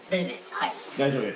はい。